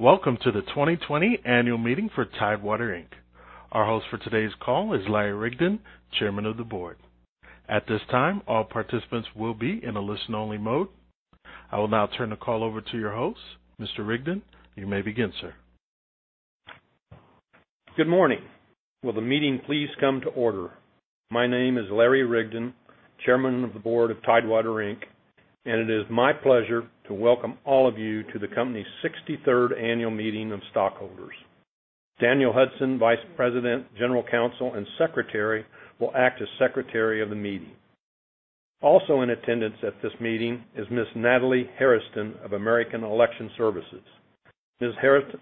Welcome to the 2020 Annual Meeting for Tidewater Inc. Our host for today's call is Larry Rigdon, Chairman of the Board. At this time, all participants will be in a listen-only mode. I will now turn the call over to your host, Mr. Rigdon. You may begin, sir. Good morning. Will the meeting please come to order? My name is Larry Rigdon, Chairman of the Board of Tidewater Inc., and it is my pleasure to welcome all of you to the company's 63rd Annual Meeting of Stockholders. Daniel Hudson, Vice President, General Counsel, and Secretary, will act as Secretary of the Meeting. Also in attendance at this meeting is Ms. Natalie Harrison of American Election Services. Ms.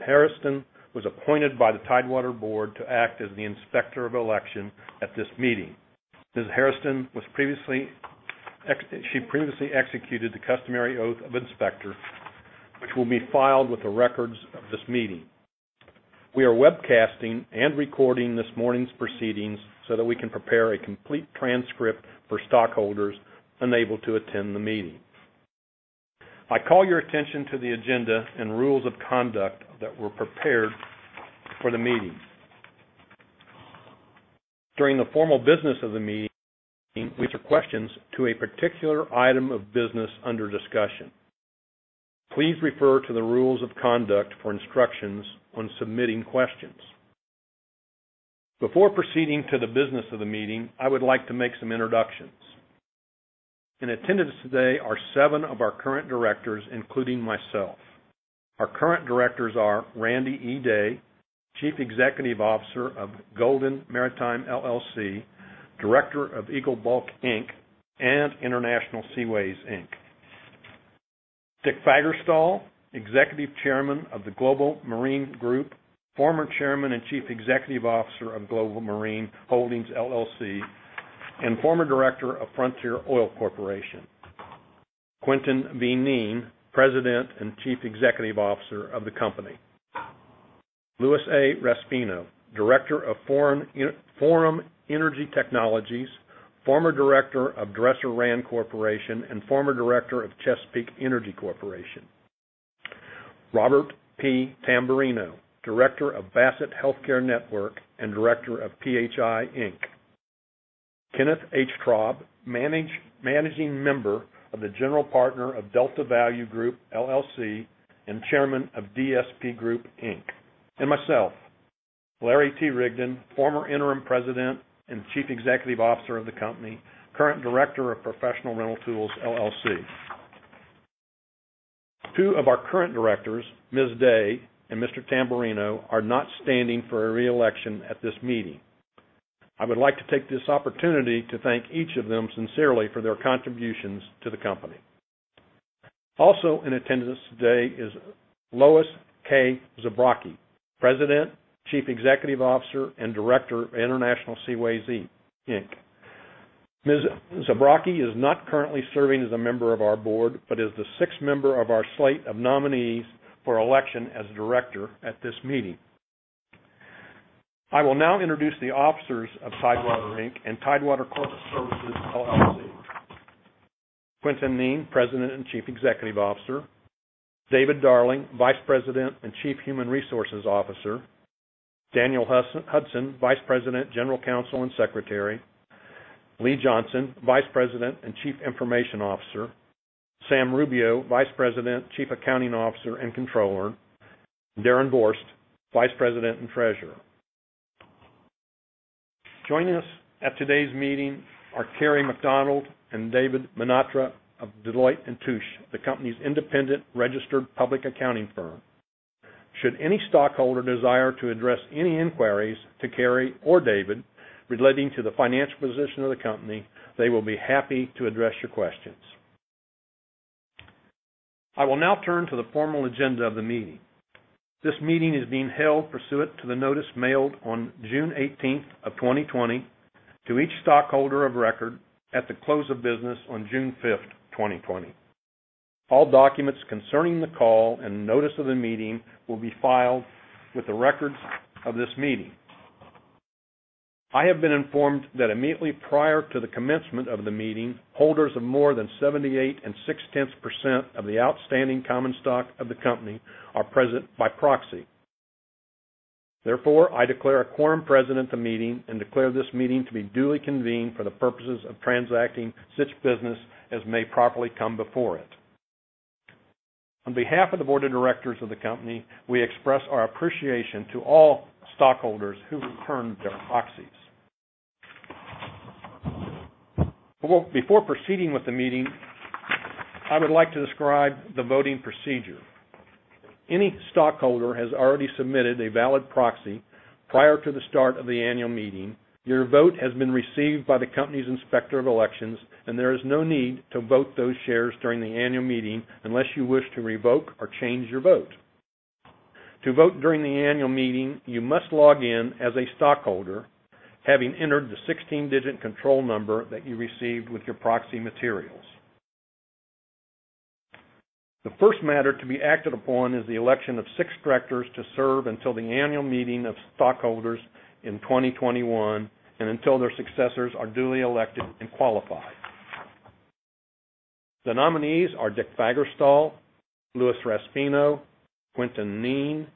Harrison was appointed by the Tidewater Board to act as the Inspector of Election at this meeting. Ms. Harrison previously executed the customary oath of inspector, which will be filed with the records of this meeting. We are webcasting and recording this morning's proceedings so that we can prepare a complete transcript for stockholders unable to attend the meeting. I call your attention to the agenda and rules of conduct that were prepared for the meeting. During the formal business of the meeting, we answer questions to a particular item of business under discussion. Please refer to the rules of conduct for instructions when submitting questions. Before proceeding to the business of the meeting, I would like to make some introductions. In attendance today are seven of our current directors, including myself. Our current directors are Randee E. Day, Chief Executive Officer of Goldin Maritime LLC, Director of Eagle Bulk Inc., and International Seaways Inc. Dick Fagerstal, Executive Chairman of the Global Marine Group, former Chairman and Chief Executive Officer of Global Marine Holdings LLC, and former Director of Frontier Oil Corporation. Quintin V. Kneen, President and Chief Executive Officer of the company. Louis A. Raspino, Director of Forum Energy Technologies, former Director of Dresser-Rand Group Inc., and former Director of Chesapeake Energy Corporation. Robert P. Tamburino, Director of Bassett Healthcare Network and Director of PHI Inc. Kenneth H. Traub, Managing Member of the General Partner of Delta Value Group LLC and Chairman of DSP Group Inc., and myself, Larry T. Rigdon, former Interim President and Chief Executive Officer of the company, current Director of Professional Rental Tools LLC. Two of our current directors, Ms. Day and Mr. Tamburino, are not standing for a reelection at this meeting. I would like to take this opportunity to thank each of them sincerely for their contributions to the company. Also in attendance today is Lois K. Zabrocky, President, Chief Executive Officer, and Director of International Seaways Inc. Ms. Zabrocky is not currently serving as a member of our board but is the sixth member of our slate of nominees for election as Director at this meeting. I will now introduce the officers of Tidewater Inc. and Tidewater Corporate Services LLC. Quintin Kneen, President and Chief Executive Officer. David Darling, Vice President and Chief Human Resources Officer. Daniel Hudson, Vice President, General Counsel and Secretary. Lee Johnson, Vice President and Chief Information Officer. Sam Rubio, Vice President, Chief Accounting Officer and Controller. Darren Vorst, Vice President and Treasurer. Joining us at today's meeting are Carey McDonald and David Menatra of Deloitte & Touche, the company's independent registered public accounting firm. Should any stockholder desire to address any inquiries to Carey or David relating to the financial position of the company, they will be happy to address your questions. I will now turn to the formal agenda of the meeting. This meeting is being held pursuant to the notice mailed on June 18th of 2020 to each stockholder of record at the close of business on June 5th, 2020. All documents concerning the call and notice of the meeting will be filed with the records of this meeting. I have been informed that immediately prior to the commencement of the meeting, holders of more than 78.6% of the outstanding common stock of the company are present by proxy. Therefore, I declare a quorum present at the meeting and declare this meeting to be duly convened for the purposes of transacting such business as may properly come before it. On behalf of the board of directors of the company, we express our appreciation to all stockholders who returned their proxies. Before proceeding with the meeting, I would like to describe the voting procedure. Any stockholder has already submitted a valid proxy prior to the start of the annual meeting. Your vote has been received by the company's Inspector of Election, and there is no need to vote those shares during the annual meeting unless you wish to revoke or change your vote. To vote during the annual meeting, you must log in as a stockholder, having entered the 16-digit control number that you received with your proxy materials. The first matter to be acted upon is the election of six directors to serve until the annual meeting of stockholders in 2021 and until their successors are duly elected and qualified. The nominees are Dick Fagerstal, Louis Raspino, Quintin Kneen,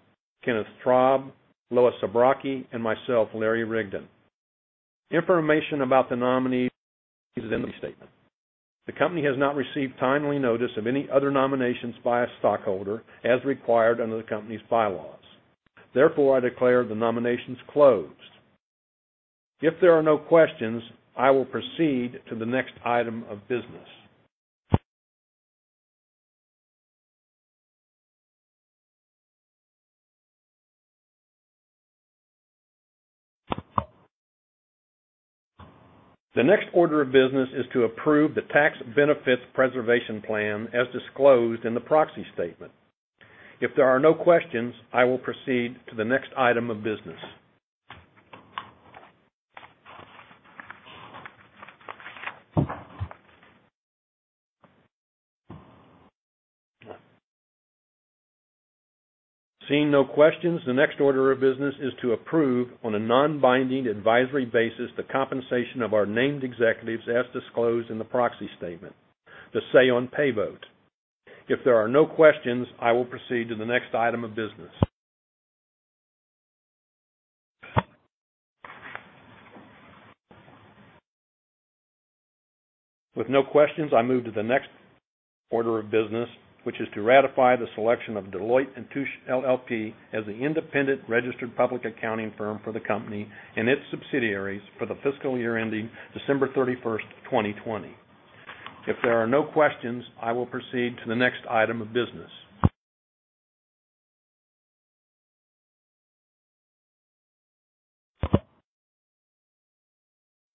Kenneth Traub, Lois Zabrocky, and myself, Larry Rigdon. Information about the nominees is in the statement. The company has not received timely notice of any other nominations by a stockholder as required under the company's bylaws. Therefore, I declare the nominations closed. If there are no questions, I will proceed to the next item of business. The next order of business is to approve the Tax Benefits Preservation Plan as disclosed in the proxy statement. If there are no questions, I will proceed to the next item of business. Seeing no questions, the next order of business is to approve on a non-binding advisory basis the compensation of our named executives as disclosed in the proxy statement, the say-on-pay vote. If there are no questions, I will proceed to the next item of business. With no questions, I move to the next order of business, which is to ratify the selection of Deloitte & Touche LLP as the independent registered public accounting firm for the company and its subsidiaries for the fiscal year ending December 31st, 2020. If there are no questions, I will proceed to the next item of business.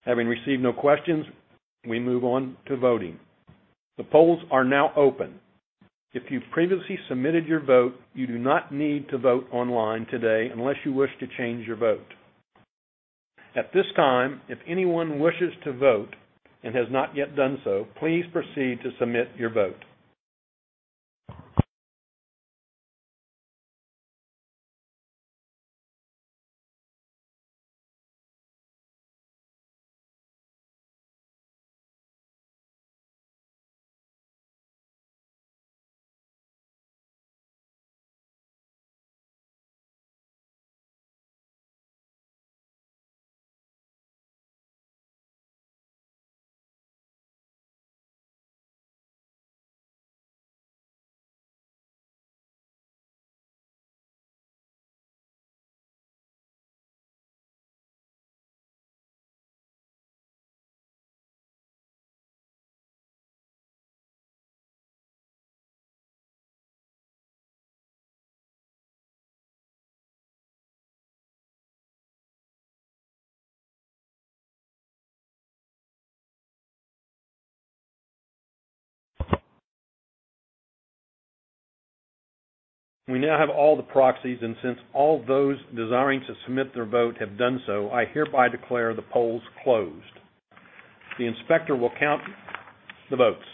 Having received no questions, we move on to voting. The polls are now open. If you've previously submitted your vote, you do not need to vote online today unless you wish to change your vote. At this time, if anyone wishes to vote and has not yet done so, please proceed to submit your vote. We now have all the proxies, and since all those desiring to submit their vote have done so, I hereby declare the polls closed. The Inspector will count the votes.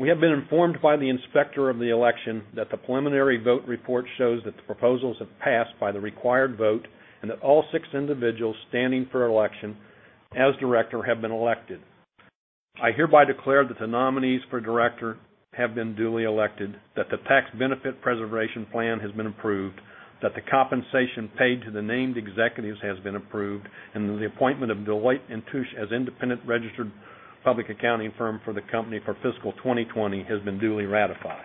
We have been informed by the Inspector of Election that the preliminary vote report shows that the proposals have passed by the required vote and that all six individuals standing for election as Director have been elected. I hereby declare that the nominees for Director have been duly elected, that the Tax Benefits Preservation Plan has been approved, that the compensation paid to the named executives has been approved, and that the appointment of Deloitte & Touche as independent registered public accounting firm for the company for fiscal 2020 has been duly ratified.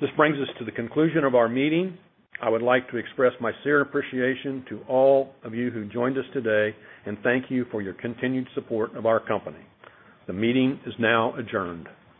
This brings us to the conclusion of our meeting. I would like to express my sincere appreciation to all of you who joined us today and thank you for your continued support of our company. The meeting is now adjourned.